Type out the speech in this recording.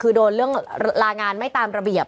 คือโดนเรื่องลางานไม่ตามระเบียบ